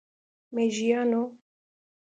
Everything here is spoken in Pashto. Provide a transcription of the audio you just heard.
میږیانو،